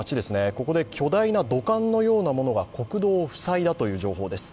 ここで巨大な土管のようなものが国道を塞いだという情報です。